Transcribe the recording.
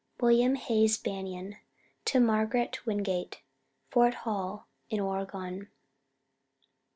WILLIAM HAYS BANION. To MARGARET WINGATE, Fort Hall, in Oregon.